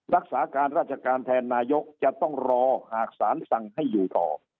รักษาการราชการแทนนายกจะต้องรอหากสารสั่งให้อยู่ต่อ